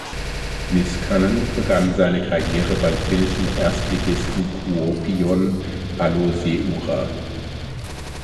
Niskanen begann seine Karriere beim finnischen Erstligisten Kuopion Palloseura.